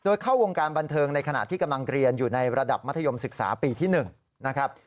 โดยเข้าวงการบันเทิงในขณะที่กำลังเรียนอยู่ในระดับมัธยมศึกษาปีที่๑นะครับ